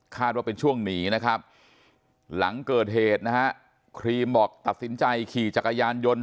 ว่าเป็นช่วงหนีนะครับหลังเกิดเหตุนะฮะครีมบอกตัดสินใจขี่จักรยานยนต์